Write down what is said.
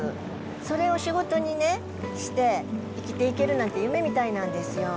それを仕事にして生きていけるなんて夢みたいなんですよ。